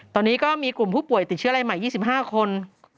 ตอนนี้ก็มีกลุ่มผู้ป่วยติดเชื้อรายใหม่๒๕คน